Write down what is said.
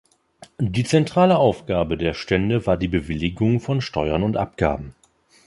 Die zentrale Aufgabe der Stände war die Bewilligung von Steuern und Abgaben.